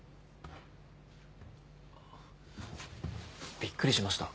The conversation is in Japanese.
びっくりしました。